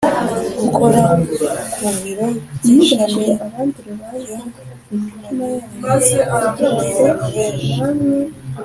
Gukora ku biro by ishami byo muri noruveje